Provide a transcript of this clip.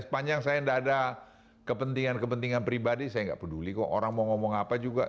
sepanjang saya tidak ada kepentingan kepentingan pribadi saya nggak peduli kok orang mau ngomong apa juga